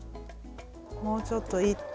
もうちょっと行って。